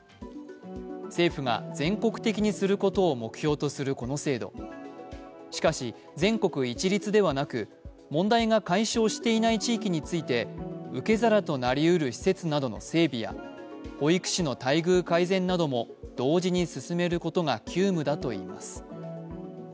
政府が全国的にすることを目標とするこの制度しかし、全国一律ではなく問題が解消していない地域について受け皿となりうる施設などの整備や保育士の待遇改善なども同時に進めることが急務だといいます。